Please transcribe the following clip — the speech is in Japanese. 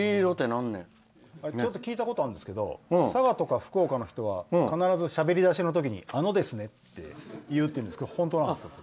ちょっと聞いたことがあるんですけど佐賀とか、福岡の人は必ずしゃべりだしの時に「あのですね」って言うそうですが本当ですか？